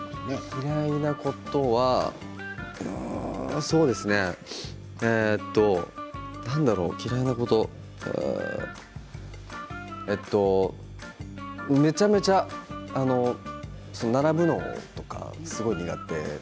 苦手なことはそうですね何だろう嫌いなことめちゃめちゃ並ぶのとかすごい苦手。